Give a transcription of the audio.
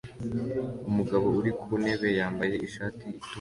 Umugabo uri ku ntebe yambaye ishati itukura